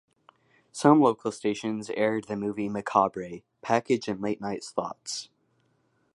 Some local stations aired the "Movie Macabre" package in late-night slots.